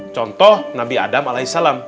contoh nabi adam alai salam